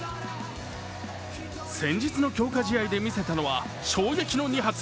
先日の強化試合で見せたのは衝撃の２発。